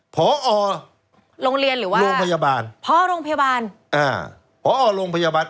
พอโรงเรียนหรือว่าโรงพยาบาลพอโรงพยาบาลอ่าพอโรงพยาบาล